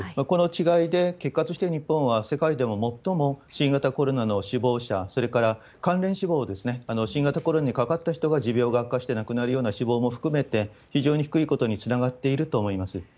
この違いで、結果として日本は世界でも最も新型コロナの死亡者、それから関連死亡ですね、新型コロナにかかった人が持病が悪化して亡くなるような死亡も含めて、非常に低いことにつながっていると思います。